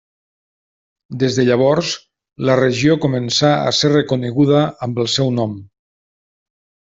Des de llavors la regió començà a ser reconeguda amb el seu nom.